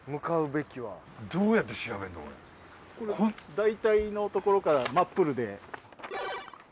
だいたいのところからマップルで。